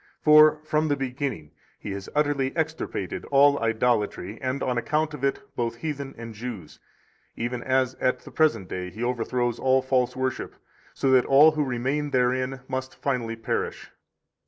For from the beginning He has utterly extirpated all idolatry, and, on account of it, both heathen and Jews; even as at the present day He overthrows all false worship, so that all who remain therein must finally perish.